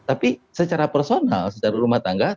tapi secara personal secara rumah tangga